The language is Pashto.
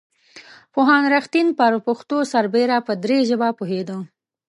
پوهاند رښتین پر پښتو سربېره په دري ژبه پوهېده.